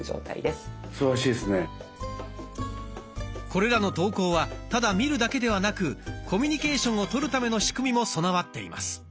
これらの投稿はただ見るだけではなくコミュニケーションを取るための仕組みも備わっています。